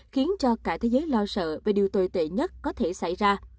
khiến cho cả thế giới lo sợ về điều tồi tệ nhất có thể xảy ra